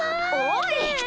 おい！